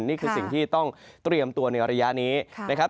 นี่คือสิ่งที่ต้องเตรียมตัวในระยะนี้นะครับ